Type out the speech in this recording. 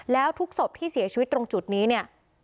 แล้วทุกศพที่เสียชีวิตตรงจุดนี้เนี่ย